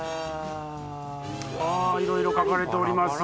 いろいろ書かれております。